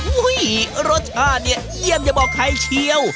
รสชาติเนี่ยเยี่ยมอย่าบอกใครเชียว